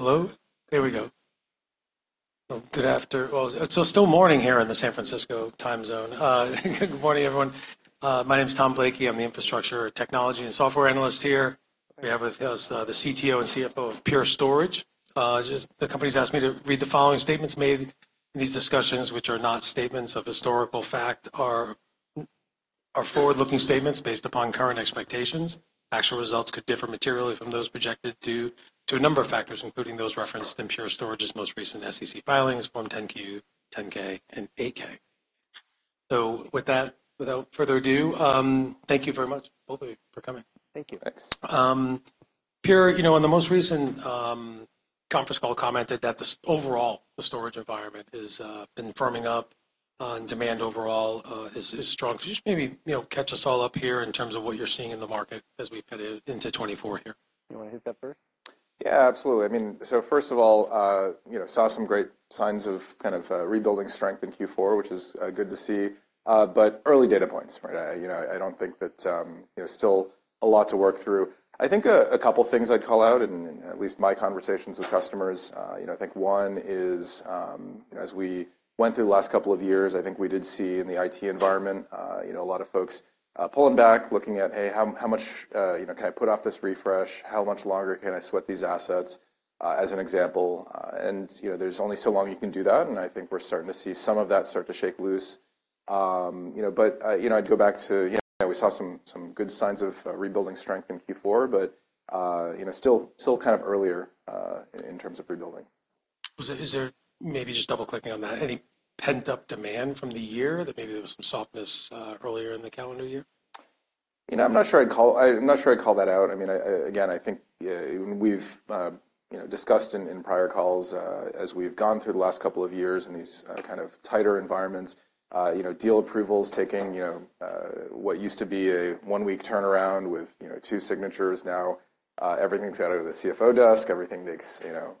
Hello. There we go. Well, good afternoon. Well, it's still morning here in the San Francisco time zone. Good morning, everyone. My name's Tom Blakey. I'm the infrastructure, technology, and software analyst here. We have with us the CTO and CFO of Pure Storage. The company has asked me to read the following statements made in these discussions, which are not statements of historical fact, are forward-looking statements based upon current expectations. Actual results could differ materially from those projected due to a number of factors, including those referenced in Pure Storage's most recent SEC filings, Form 10-Q, 10-K, and 8-K. So with that, without further ado, thank you very much, both of you, for coming. Thank you. Thanks. Pure, you know, on the most recent conference call commented that overall, the storage environment has been firming up, and demand overall is strong. Could you just maybe, you know, catch us all up here in terms of what you're seeing in the market as we head into 2024 here? You wanna hit that first? Yeah, absolutely. I mean, so first of all, you know, saw some great signs of kind of rebuilding strength in Q4, which is good to see. But early data points, right? You know, I don't think that, you know, still a lot to work through. I think a couple things I'd call out in at least my conversations with customers, you know, I think one is, you know, as we went through the last couple of years, I think we did see in the IT environment, you know, a lot of folks pulling back, looking at, "Hey, how much, you know, can I put off this refresh? How much longer can I sweat these assets?" as an example. And, you know, there's only so long you can do that. And I think we're starting to see some of that start to shake loose. You know, but, you know, I'd go back to yeah, we saw some good signs of rebuilding strength in Q4, but, you know, still kind of earlier in terms of rebuilding. Is there maybe just double-clicking on that, any pent-up demand from the year that maybe there was some softness earlier in the calendar year? You know, I'm not sure I'd call that out. I mean, again, I think, when we've you know, discussed in prior calls, as we've gone through the last couple of years in these kind of tighter environments, you know, deal approvals taking you know, what used to be a one-week turnaround with you know, two signatures, now everything's out of the CFO desk. Everything takes you know,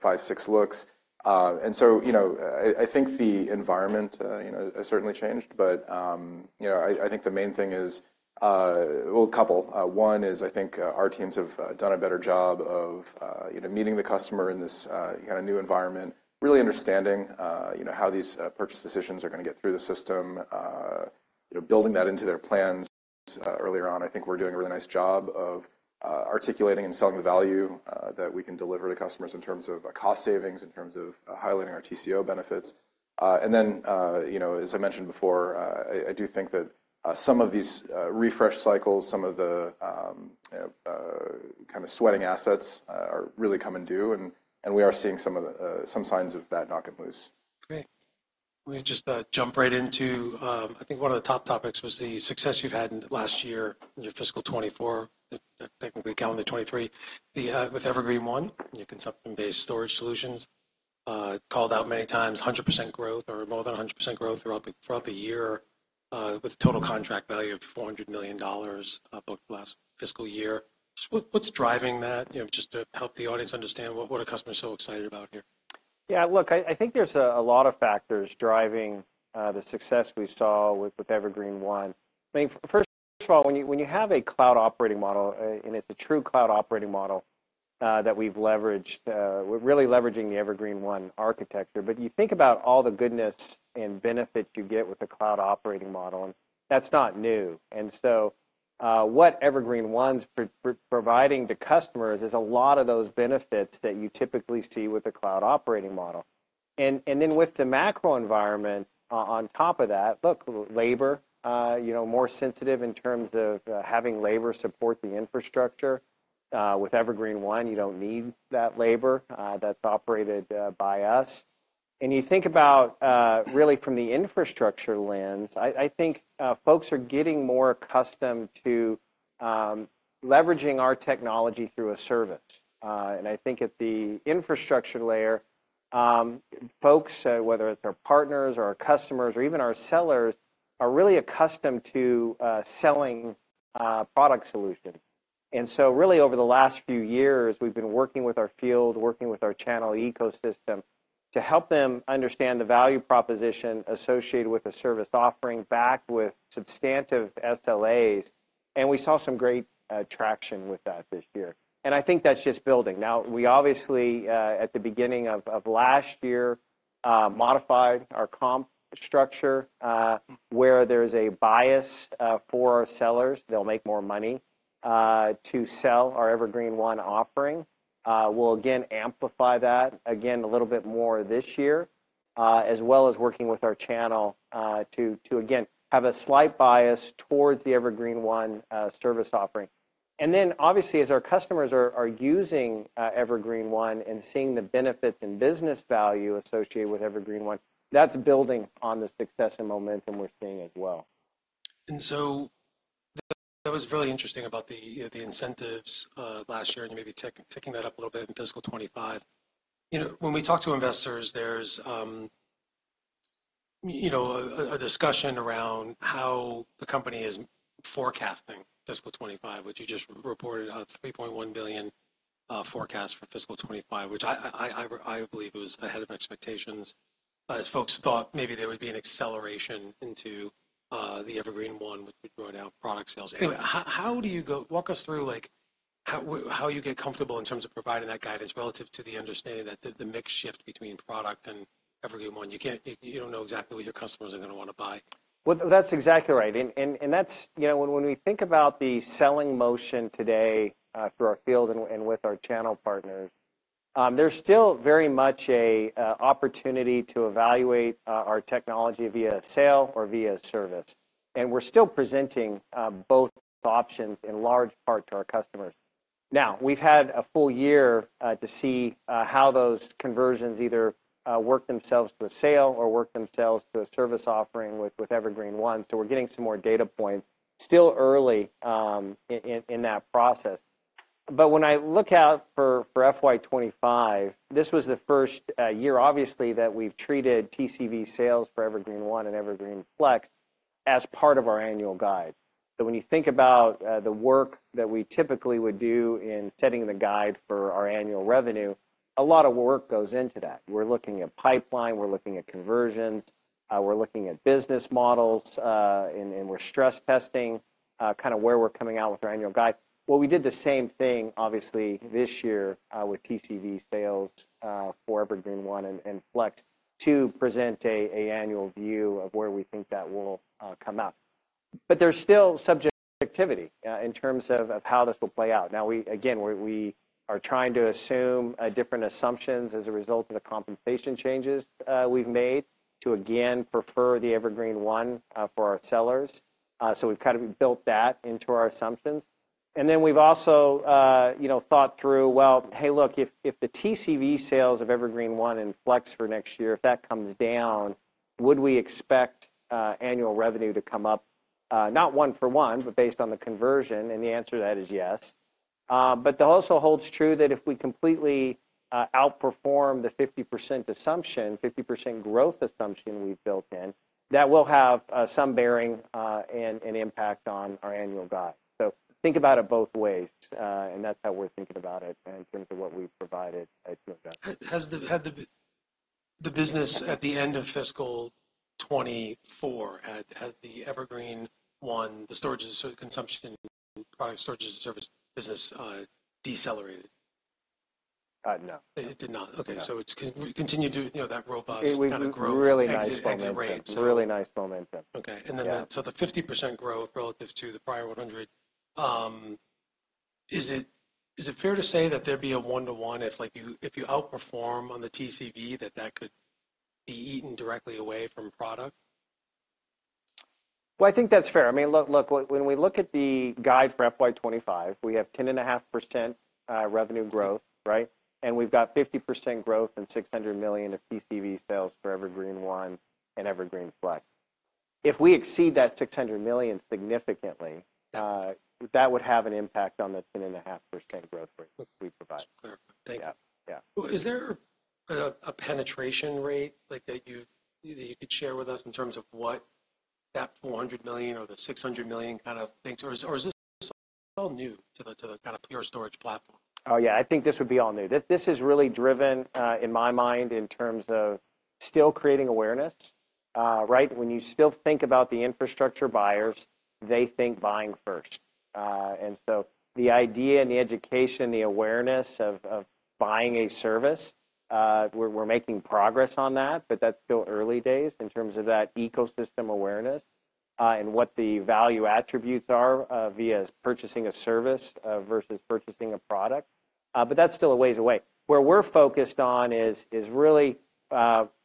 five, six looks. And so you know, I think the environment you know, has certainly changed. But you know, I think the main thing is, well, a couple. One is, I think, our teams have done a better job of you know, meeting the customer in this kinda new environment, really understanding you know, how these purchase decisions are gonna get through the system, you know, building that into their plans. Earlier on, I think we're doing a really nice job of articulating and selling the value that we can deliver to customers in terms of cost savings, in terms of highlighting our TCO benefits. And then, you know, as I mentioned before, I do think that some of these refresh cycles, some of the kinda sweating assets, are really coming due. And we are seeing some signs of that knocking loose. Great. We'll just jump right into I think one of the top topics was the success you've had last year in your fiscal 2024, technically calendar 2023, with Evergreen One, your consumption-based storage solutions. Called out many times, 100% growth or more than 100% growth throughout the year, with a total contract value of $400 million booked last fiscal year. Just what's driving that, you know, just to help the audience understand what are customers so excited about here? Yeah, look, I think there's a lot of factors driving the success we saw with Evergreen One. I mean, first of all, when you have a cloud operating model, and it's a true cloud operating model that we've leveraged, we're really leveraging the Evergreen One architecture. But you think about all the goodness and benefit you get with a cloud operating model, and that's not new. And then with the macro environment, on top of that, look, labor, you know, more sensitive in terms of having labor support the infrastructure. With Evergreen One, you don't need that labor. That's operated by us. You think about, really from the infrastructure lens, I, I think, folks are getting more accustomed to leveraging our technology through a service. I think at the infrastructure layer, folks, whether it's our partners or our customers or even our sellers, are really accustomed to selling product solutions. So really, over the last few years, we've been working with our field, working with our channel ecosystem to help them understand the value proposition associated with a service offering backed with substantive SLAs. We saw some great traction with that this year. I think that's just building. Now, we obviously, at the beginning of last year, modified our comp structure, where there's a bias for our sellers—they'll make more money—to sell our Evergreen One offering. We'll again amplify that, again, a little bit more this year, as well as working with our channel, to again, have a slight bias towards the Evergreen One service offering. And then obviously, as our customers are using Evergreen One and seeing the benefits and business value associated with Evergreen One, that's building on the success and momentum we're seeing as well. And so that was really interesting about the, you know, the incentives, last year, and you may be taking that up a little bit in fiscal 2025. You know, when we talk to investors, there's, you know, a discussion around how the company is forecasting fiscal 2025, which you just reported, $3.1 billion, forecast for fiscal 2025, which I believe it was ahead of expectations, as folks thought maybe there would be an acceleration into the Evergreen One, which would draw down product sales. Anyway, how do you walk us through, like, how you get comfortable in terms of providing that guidance relative to the understanding that the mix shift between product and Evergreen One? You can't. You don't know exactly what your customers are gonna wanna buy. Well, that's exactly right. And that's, you know, when we think about the selling motion today, through our field and with our channel partners, there's still very much an opportunity to evaluate our technology via sale or via service. And we're still presenting both options in large part to our customers. Now, we've had a full year to see how those conversions either work themselves to a sale or work themselves to a service offering with Evergreen One. So we're getting some more data points. Still early in that process. But when I look out for FY 2025, this was the first year, obviously, that we've treated TCV sales for Evergreen One and Evergreen Flex as part of our annual guide. So when you think about the work that we typically would do in setting the guide for our annual revenue, a lot of work goes into that. We're looking at pipeline. We're looking at conversions. We're looking at business models. We're stress-testing kinda where we're coming out with our annual guide. Well, we did the same thing, obviously, this year, with TCV sales, for Evergreen One and Flex to present a annual view of where we think that will come out. But there's still subjectivity in terms of how this will play out. Now, we again are trying to assume different assumptions as a result of the compensation changes we've made to again prefer the Evergreen One for our sellers. So we've kinda built that into our assumptions. And then we've also, you know, thought through, "Well, hey, look, if the TCV sales of Evergreen One and Flex for next year, if that comes down, would we expect annual revenue to come up, not one for one, but based on the conversion?" And the answer to that is yes. But the also holds true that if we completely outperform the 50% assumption, 50% growth assumption we've built in, that will have some bearing and impact on our annual guide. So think about it both ways. And that's how we're thinking about it in terms of what we've provided at Pure Storage. Has the business at the end of fiscal 2024, has the Evergreen One, the storage as a consumption product, storage as a service business, decelerated? no. It did not? Okay. So it continued to, you know, that robust kinda growth. It was a really nice momentum. Exactly right. It's a really nice momentum. Okay. And then, so the 50% growth relative to the prior 100, is it fair to say that there'd be a one-to-one if, like, you outperform on the TCV, that could be eaten directly away from product? Well, I think that's fair. I mean, look, look, when we look at the guide for FY 2025, we have 10.5%, revenue growth, right? And we've got 50% growth and $600 million of TCV sales for Evergreen One and Evergreen Flex. If we exceed that $600 million significantly, that would have an impact on the 10.5% growth rate we provide. Clarify. Thank you. Yeah. Yeah. Well, is there a penetration rate, like, that you could share with us in terms of what that $400 million or the $600 million kinda thinks? Or is this all new to the kinda Pure Storage platform? Oh, yeah. I think this would be all new. This is really driven, in my mind, in terms of still creating awareness, right? When you still think about the infrastructure buyers, they think buying first. And so the idea and the education, the awareness of buying a service, we're making progress on that. But that's still early days in terms of that ecosystem awareness, and what the value attributes are, via purchasing a service, versus purchasing a product. But that's still a ways away. Where we're focused on is really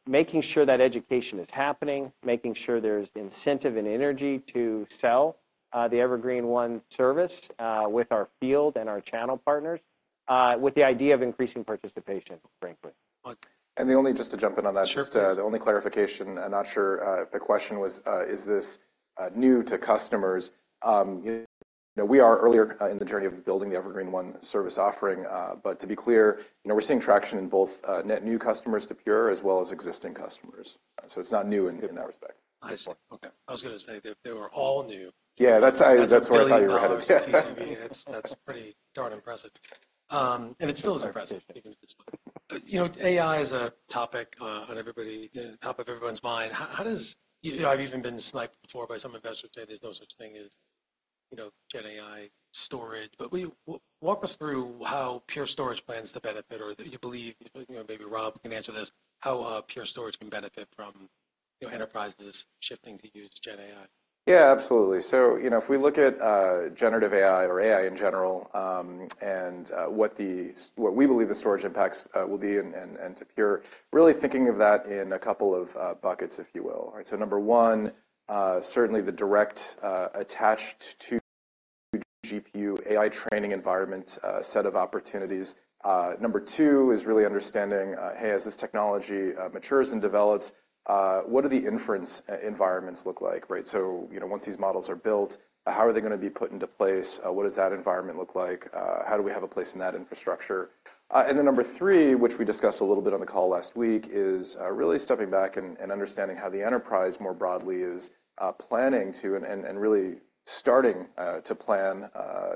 making sure that education is happening, making sure there's incentive and energy to sell the Evergreen One service, with our field and our channel partners, with the idea of increasing participation, frankly. Well, and the only just to jump in on that. Sure. Just the only clarification. I'm not sure if the question was, is this new to customers. You know, we are earlier in the journey of building the Evergreen One service offering. But to be clear, you know, we're seeing traction in both net new customers to Pure as well as existing customers. So it's not new in that respect. I see. Okay. I was gonna say they, they were all new. Yeah. That's, that's where I thought you were ahead of me. The TCV. That's, that's pretty darn impressive. And it still is impressive even at this point. You know, AI is a topic on top of everyone's mind. How do you, you know, I've even been sniped before by some investors saying there's no such thing as, you know, GenAI storage. But walk us through how Pure Storage plans to benefit or that you believe you know, maybe Rob can answer this, how Pure Storage can benefit from, you know, enterprises shifting to use GenAI? Yeah, absolutely. So, you know, if we look at generative AI or AI in general, and what we believe the storage impacts will be and to Pure, really thinking of that in a couple of buckets, if you will, right? So number one, certainly the direct attached to GPU AI training environment set of opportunities. Number two is really understanding, hey, as this technology matures and develops, what do the inference environments look like, right? So, you know, once these models are built, how are they gonna be put into place? What does that environment look like? How do we have a place in that infrastructure? And then number three, which we discussed a little bit on the call last week, is really stepping back and understanding how the enterprise more broadly is planning to, and really starting to plan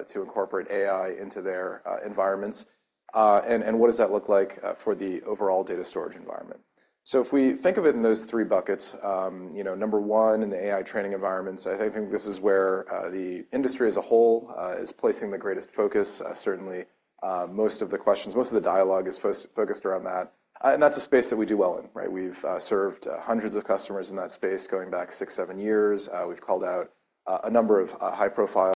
to incorporate AI into their environments. And what does that look like for the overall data storage environment? So if we think of it in those three buckets, you know, number one in the AI training environments, I think this is where the industry as a whole is placing the greatest focus. Certainly, most of the questions, most of the dialogue is focused around that. And that's a space that we do well in, right? We've served hundreds of customers in that space going back 6-7 years. We've called out a number of high-profile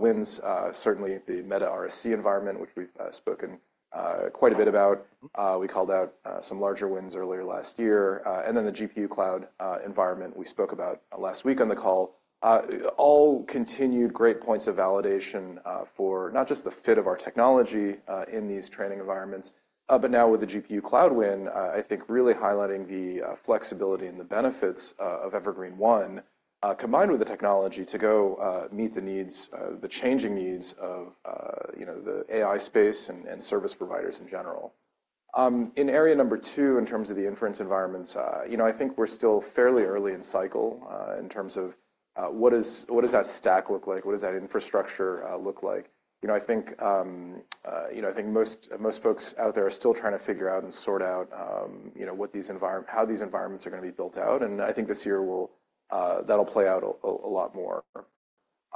wins. Certainly, the Meta RSC environment, which we've spoken quite a bit about. We called out some larger wins earlier last year. And then the GPU cloud environment we spoke about last week on the call. All continued great points of validation for not just the fit of our technology in these training environments, but now with the GPU Cloud win, I think really highlighting the flexibility and the benefits of Evergreen One, combined with the technology to go meet the needs, the changing needs of, you know, the AI space and and service providers in general. In area number 2 in terms of the inference environments, you know, I think we're still fairly early in cycle, in terms of, what does that stack look like? What does that infrastructure look like? You know, I think, you know, I think most, most folks out there are still trying to figure out and sort out, you know, what these environments, how these environments are gonna be built out. And I think this year will, that'll play out a lot more.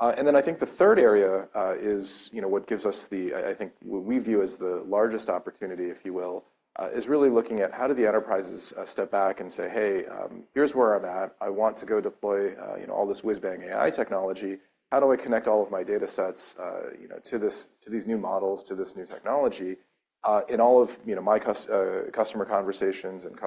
And then I think the third area is, you know, what gives us the—we view—as the largest opportunity, if you will, is really looking at how the enterprises step back and say, "Hey, here's where I'm at. I want to go deploy, you know, all this whiz-bang AI technology. How do I connect all of my data sets, you know, to this to these new models, to this new technology?" In all of, you know, my customer conversations and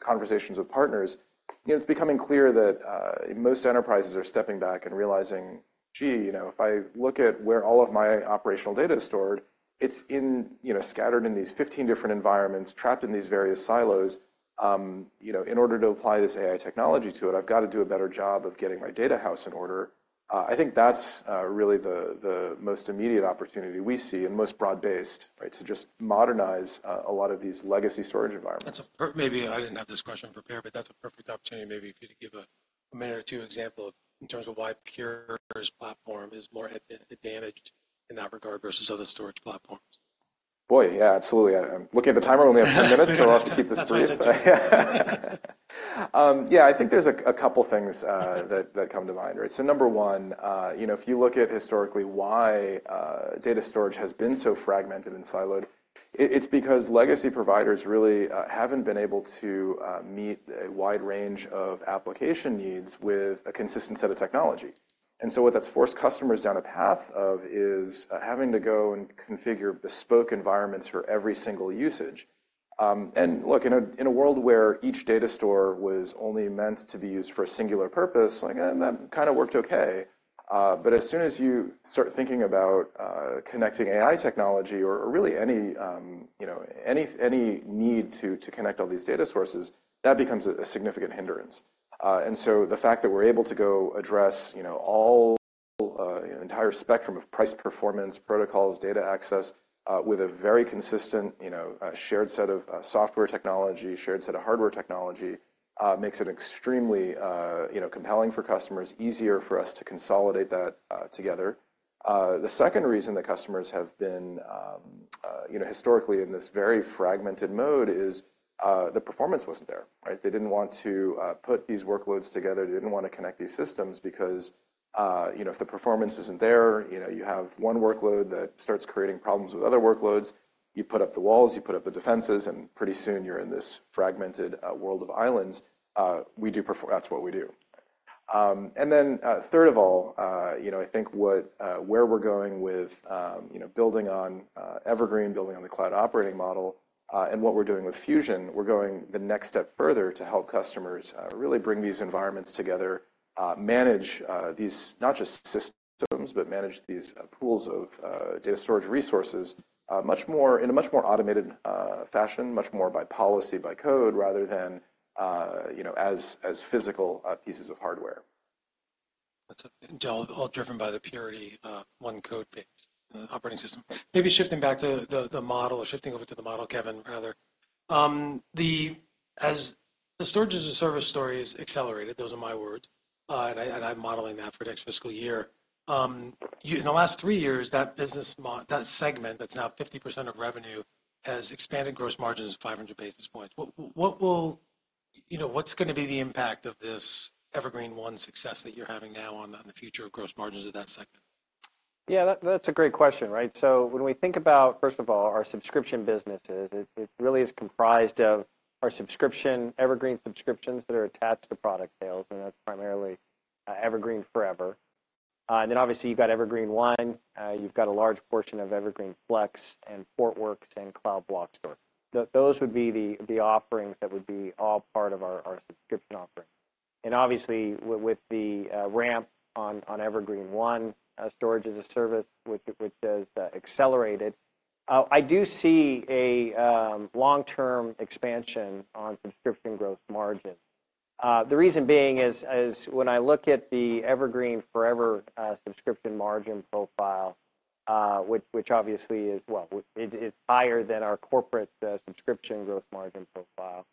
conversations with partners, you know, it's becoming clear that most enterprises are stepping back and realizing, "Gee, you know, if I look at where all of my operational data is stored, it's in, you know, scattered in these 15 different environments, trapped in these various silos. You know, in order to apply this AI technology to it, I've gotta do a better job of getting my data house in order." I think that's really the most immediate opportunity we see and most broad-based, right, to just modernize a lot of these legacy storage environments. That's perhaps maybe I didn't have this question prepared, but that's a perfect opportunity maybe for you to give a minute or two example of in terms of why Pure's platform is more advantaged in that regard versus other storage platforms. Boy, yeah, absolutely. I'm looking at the timer. We only have 10 minutes, so we'll have to keep this brief. That's fine. Yeah, I think there's a couple things that come to mind, right? So number one, you know, if you look at historically why data storage has been so fragmented and siloed, it's because legacy providers really haven't been able to meet a wide range of application needs with a consistent set of technology. And so what that's forced customers down a path of is having to go and configure bespoke environments for every single usage. And look, in a world where each data store was only meant to be used for a singular purpose, like, that kinda worked okay. But as soon as you start thinking about connecting AI technology or really any, you know, any need to connect all these data sources, that becomes a significant hindrance. And so the fact that we're able to go address, you know, all, entire spectrum of price performance, protocols, data access, with a very consistent, you know, shared set of, software technology, shared set of hardware technology, makes it extremely, you know, compelling for customers, easier for us to consolidate that, together. The second reason that customers have been, you know, historically in this very fragmented mode is, the performance wasn't there, right? They didn't want to, put these workloads together. They didn't wanna connect these systems because, you know, if the performance isn't there, you know, you have one workload that starts creating problems with other workloads. You put up the walls. You put up the defenses. And pretty soon, you're in this fragmented, world of islands. We do performance. That's what we do. And then, third of all, you know, I think what, where we're going with, you know, building on Evergreen, building on the cloud operating model, and what we're doing with Fusion, we're going the next step further to help customers really bring these environments together, manage these not just systems but manage these pools of data storage resources much more in a much more automated fashion, much more by policy, by code rather than, you know, as physical pieces of hardware. That's ideal, all driven by the Purity one code-based operating system. Maybe shifting back to the model or shifting over to the model, Kevan, rather. As the storage as a service story is accelerated - those are my words, and I, and I'm modeling that for next fiscal year - you in the last three years, that business model that segment that's now 50% of revenue has expanded gross margins 500 basis points. What will you know, what's gonna be the impact of this Evergreen One success that you're having now on the future of gross margins of that segment? Yeah. That's a great question, right? So when we think about, first of all, our subscription businesses, it really is comprised of our subscription Evergreen subscriptions that are attached to product sales. And that's primarily Evergreen Forever. And then obviously, you've got Evergreen One. You've got a large portion of Evergreen Flex and Portworx and Cloud Block Store. Those would be the offerings that would be all part of our subscription offering. And obviously, with the ramp on Evergreen One, storage as a service, which has accelerated, I do see a long-term expansion on subscription gross margin. The reason being is when I look at the Evergreen Forever subscription margin profile, which obviously is well, it's higher than our corporate subscription gross margin profile.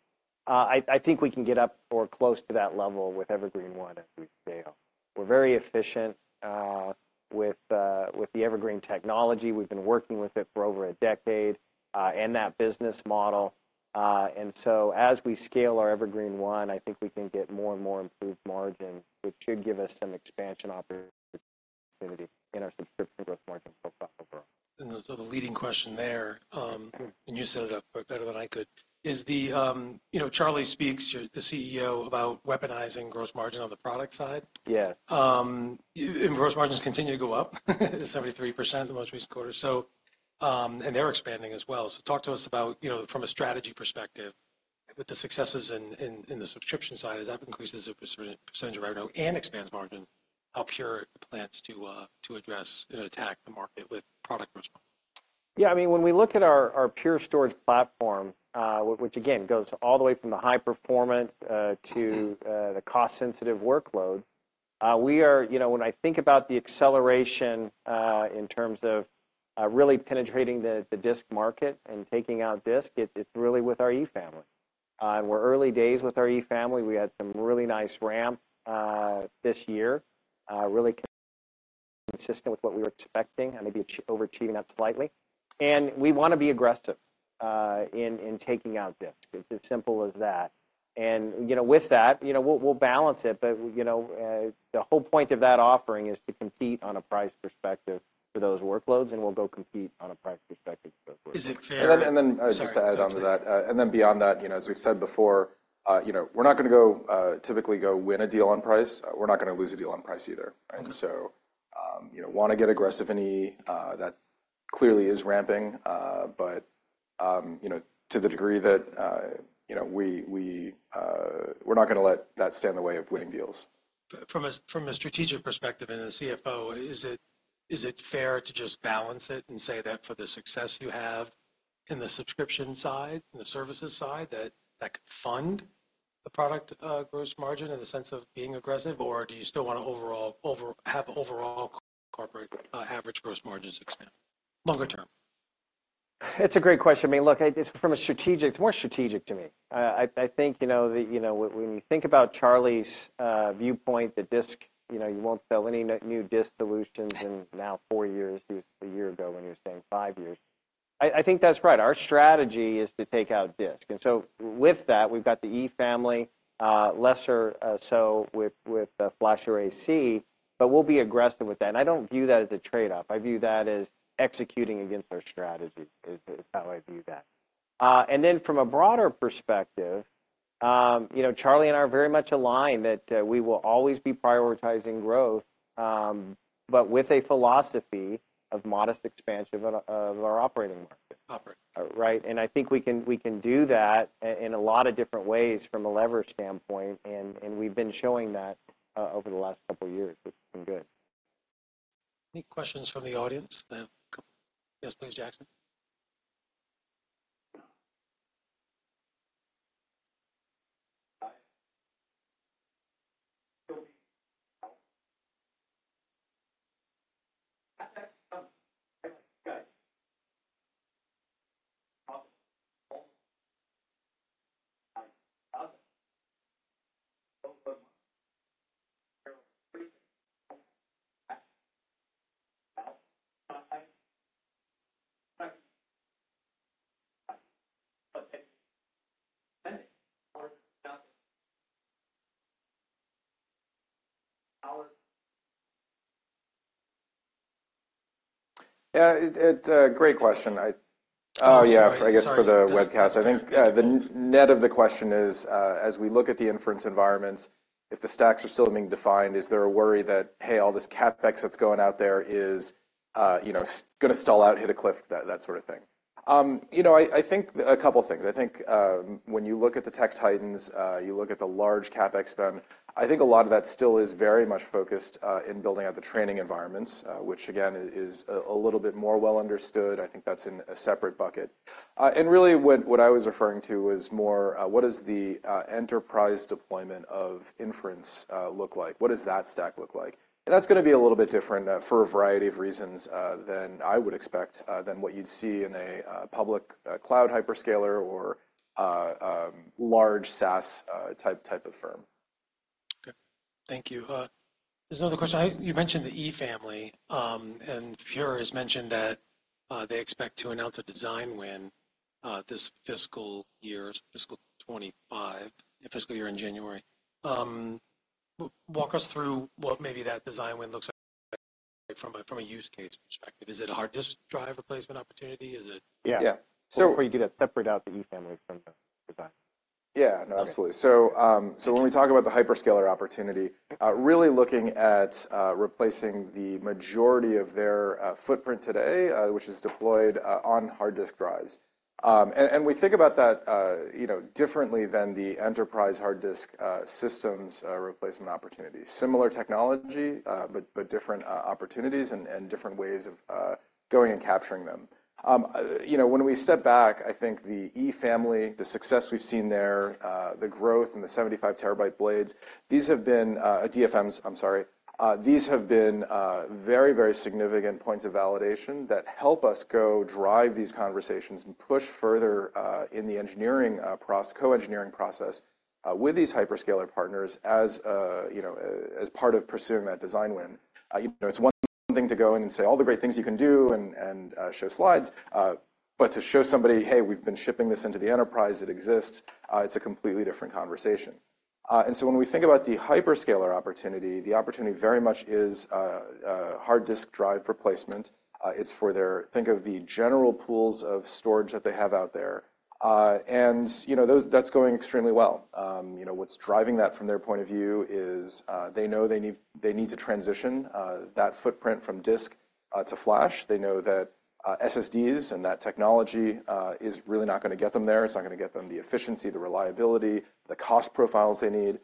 I think we can get up or close to that level with Evergreen One as we scale. We're very efficient with the Evergreen technology. We've been working with it for over a decade and that business model. And so as we scale our Evergreen One, I think we can get more and more improved margins, which should give us some expansion opportunity in our subscription gross margin profile overall. Those are the leading question there, and you set it up better than I could. Is the, you know, Charlie speaks, you're the CEO, about weaponizing gross margin on the product side. Yes. And gross margins continue to go up, 73% the most recent quarter. They're expanding as well. So talk to us about, you know, from a strategy perspective, with the successes in the subscription side, as that increases the percentage of revenue and expands margins, how Pure plans to address and attack the market with product gross margin. Yeah. I mean, when we look at our Pure Storage platform, which, again, goes all the way from the high-performance to the cost-sensitive workload, we are, you know, when I think about the acceleration in terms of really penetrating the disk market and taking out disk, it's really with our E-family. And we're early days with our E-family. We had some really nice ramp this year, really consistent with what we were expecting and maybe a bit overachieving that slightly. And we wanna be aggressive in taking out disk. It's as simple as that. And, you know, with that, you know, we'll balance it. But, you know, the whole point of that offering is to compete on a price perspective for those workloads. And we'll go compete on a price perspective for those workloads. Is it fair? And then, just to add on to that, and then beyond that, you know, as we've said before, you know, we're not gonna typically go win a deal on price. We're not gonna lose a deal on price either, right? Okay. So, you know, wanna get aggressive in E, that clearly is ramping, but, you know, to the degree that, you know, we're not gonna let that stand in the way of winning deals. From a strategic perspective and as CFO, is it fair to just balance it and say that for the success you have in the subscription side, in the services side, that could fund the product gross margin in the sense of being aggressive? Or do you still wanna overall have overall corporate average gross margins expand longer term? It's a great question. I mean, look, I see this from a strategic perspective. It's more strategic to me. I think, you know, when you think about Charlie's viewpoint, you know, the disk—you won't sell any new disk solutions in now four years. He was a year ago when he was saying five years. I think that's right. Our strategy is to take out disk. And so with that, we've got the E-family. Let's say, so with FlashArray C. But we'll be aggressive with that. And I don't view that as a trade-off. I view that as executing against our strategy. That's how I view that. And then from a broader perspective, you know, Charlie and I are very much aligned that we will always be prioritizing growth, but with a philosophy of modest expansion of our operating market. Operating. Right? And I think we can do that and a lot of different ways from a leverage standpoint. And we've been showing that over the last couple of years, which has been good. Any questions from the audience? I have a couple. Yes, please, Jackson. Yeah. Great question. Oh, yeah, I guess for the webcast. Sorry. I think the net of the question is, as we look at the inference environments, if the stacks are still being defined, is there a worry that, "Hey, all this CapEx that's going out there is, you know, 's gonna stall out, hit a cliff," that sort of thing? You know, I think there are a couple things. I think, when you look at the tech titans, you look at the large CapEx spend, I think a lot of that still is very much focused in building out the training environments, which, again, is a little bit more well understood. I think that's in a separate bucket. Really, what I was referring to was more, what does the enterprise deployment of inference look like? What does that stack look like? That's gonna be a little bit different, for a variety of reasons, than I would expect, than what you'd see in a public cloud hyperscaler or large SaaS type of firm. Okay. Thank you. There's another question. You mentioned the E-family. And Pure has mentioned that, they expect to announce a design win, this fiscal year fiscal 2025, fiscal year in January. Walk us through what maybe that design win looks like from a use case perspective. Is it a hard disk drive replacement opportunity? Is it? Yeah. Yeah. So. Before you get it, separate out the E-family from the design. Yeah. No, absolutely. So, so when we talk about the hyperscaler opportunity, really looking at replacing the majority of their footprint today, which is deployed on hard disk drives. And we think about that, you know, differently than the enterprise hard disk systems replacement opportunities. Similar technology, but different opportunities and different ways of going and capturing them. You know, when we step back, I think the E-family, the success we've seen there, the growth and the 75-terabyte blades, these have been DFMs, I'm sorry. These have been very, very significant points of validation that help us go drive these conversations and push further in the engineering co-engineering process with these hyperscaler partners as, you know, as part of pursuing that design win. You know, it's one thing to go in and say all the great things you can do and show slides, but to show somebody, "Hey, we've been shipping this into the enterprise. It exists," it's a completely different conversation. And so when we think about the hyperscaler opportunity, the opportunity very much is hard disk drive replacement. It's for their think of the general pools of storage that they have out there. And, you know, that's going extremely well. You know, what's driving that from their point of view is, they know they need to transition that footprint from disk to flash. They know that SSDs and that technology is really not gonna get them there. It's not gonna get them the efficiency, the reliability, the cost profiles they need.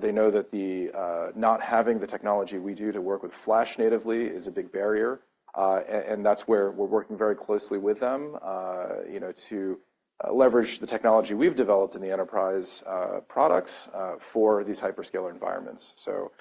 They know that not having the technology we do to work with flash natively is a big barrier. And that's where we're working very closely with them, you know, to leverage the technology we've developed in the enterprise products for these hyperscaler environments. So,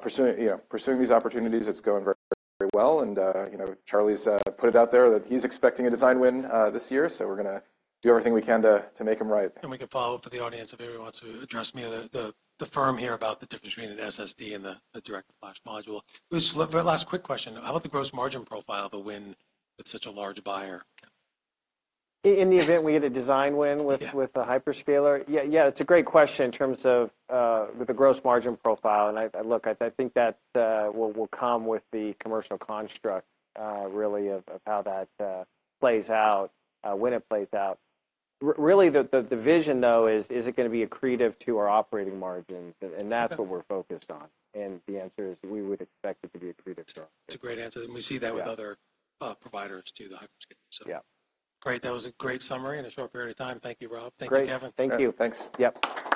pursuing you know, pursuing these opportunities, it's going very, very well. And, you know, Charlie's put it out there that he's expecting a design win this year. So we're gonna do everything we can to make him right. We can follow up with the audience if everyone wants to address me or the firm here about the difference between an SSD and the Direct flash Module. That was the last quick question. How about the gross margin profile of a win with such a large buyer, Kevan? In the event we get a design win with a hyperscaler? Yes. Yeah. Yeah. It's a great question in terms of with the gross margin profile. And I look, I think that will come with the commercial construct, really, of how that plays out, when it plays out. Really, the vision, though, is it gonna be accretive to our operating margins? And that's what we're focused on. And the answer is we would expect it to be accretive to our operating margins. It's a great answer. We see that with other providers too, the hyperscalers, so. Yeah. Great. That was a great summary in a short period of time. Thank you, Rob. Thank you, Kevan. Great. Thank you. Thanks. Yep.